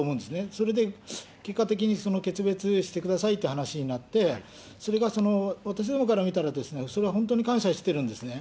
それで結果的にその決別してくださいという話になって、それがその、私どもから見たら、それは本当に感謝してるんですね。